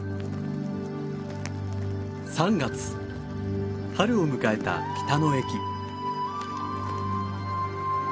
３月春を迎えた北の駅。